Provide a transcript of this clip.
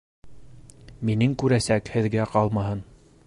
Минең күрәсәк һеҙгә ҡалмаһын!